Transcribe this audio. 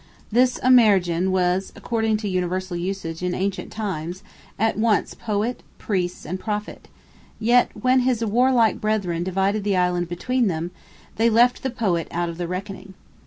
This Amergin was, according to universal usage in ancient times, at once Poet, Priest, and Prophet; yet when his warlike brethren divided the island between them, they left the Poet out of reckoning.